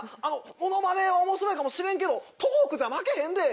ものまねは面白いかもしれんけどトークでは負けへんで。